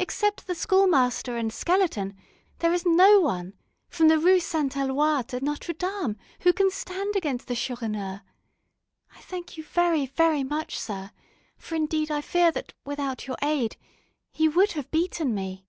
Except the Schoolmaster and Skeleton, there is no one, from the Rue Saint Eloi to Notre Dame, who can stand against the Chourineur. I thank you very, very much, sir, for, indeed, I fear that, without your aid, he would have beaten me."